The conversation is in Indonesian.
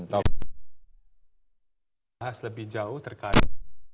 bung bisa dibahas lebih jauh terkait